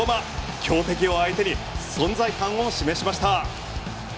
強敵を相手に存在感を示しました。